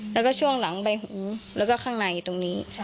แล้วก็ช่วงหลังใบหูแล้วก็ข้างในตรงนี้